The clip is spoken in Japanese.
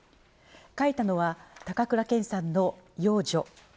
書いたのは、高倉健さんの養女。